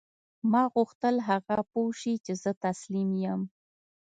ما غوښتل هغه پوه شي چې زه تسلیم یم